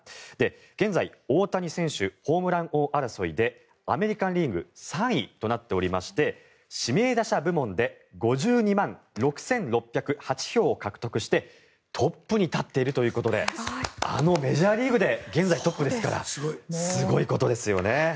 現在、大谷選手ホームラン王争いでアメリカン・リーグ３位となっておりまして指名打者部門で５２万６６０８票を獲得してトップに立っているということであのメジャーリーグで現在トップですからすごいことですよね。